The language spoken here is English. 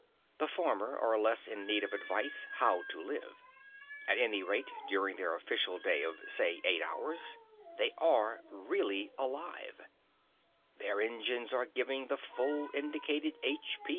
The former are less in need of advice "how to live." At any rate during their official day of, say, eight hours they are really alive; their engines are giving the full indicated "h.